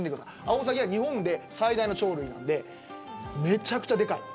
アオサギは日本で最大の鳥類なんでめちゃくちゃでかい。